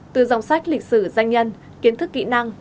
từ dòng sách lịch sử danh nhân kiến thức kỹ năng